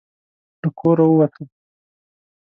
له کوره ووتو.